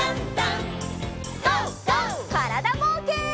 からだぼうけん。